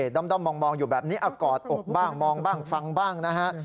ด้อมมองอยู่แบบนี้เอากอดอกบ้างมองบ้างฟังบ้างนะฮะ